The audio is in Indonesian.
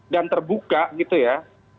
dan terbuka gitu ya